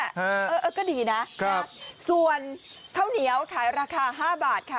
เออเออก็ดีนะครับส่วนข้าวเหนียวขายราคา๕บาทค่ะ